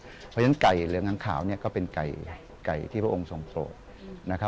เพราะฉะนั้นไก่เหลืองอังขาวก็เป็นไก่ที่พระองค์ทรงโสดนะครับ